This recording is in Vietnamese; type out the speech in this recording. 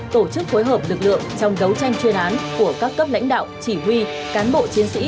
tổ chức phối hợp lực lượng trong đấu tranh chuyên án của các cấp lãnh đạo chỉ huy cán bộ chiến sĩ